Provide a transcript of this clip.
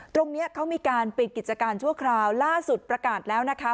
ตรงนี้เขามีการปิดกิจการชั่วคราวล่าสุดประกาศแล้วนะคะ